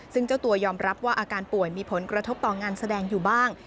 ซึ่งเจ้าตัวยอมรับว่าอาการป่วยมีผลกระทบต่องานแสดงอยู่บ้าง